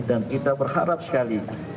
dan kita berharap sekali